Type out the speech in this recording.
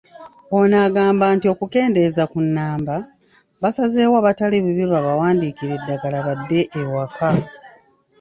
Ono agamba nti okukendeeza ku nnamba, basazewo abatali bubi babawandiikire eddagala badde ewaka.